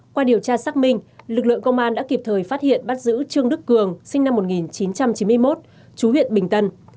qua điều tra xác minh lực lượng công an đã kịp thời phát hiện bắt giữ trương đức cường sinh năm một nghìn chín trăm chín mươi một chú huyện bình tân